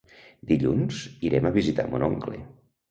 Dilluns irem a visitar mon oncle.